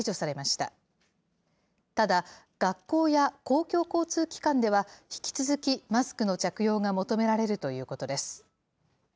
ただ、学校や公共交通機関では、引き続きマスクの着用が求められるということです。